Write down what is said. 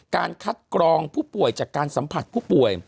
การคัดกรองผู้ป่วยจากการสัมผัสผู้ป่วย